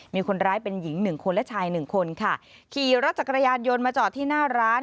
มีคนร้ายเป็นหญิงหนึ่งคนและชายหนึ่งคนค่ะขี่รถจักรยานยนต์มาจอดที่หน้าร้าน